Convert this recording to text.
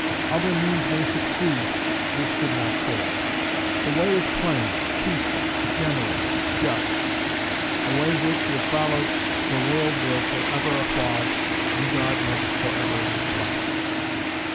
Other means may succeed, this could not fail. The way is plain, peaceful, generous, just a way which, if followed, the world will forever applaud, and God must forever bless.